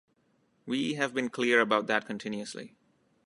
We have been clear about that continuously.